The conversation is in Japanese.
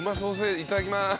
いただきます。